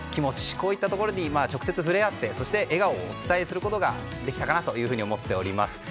こういったところに直接触れ合ってそして笑顔をお伝えすることができたかなと思っています。